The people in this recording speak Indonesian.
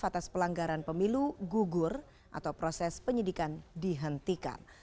atas pelanggaran pemilu gugur atau proses penyidikan dihentikan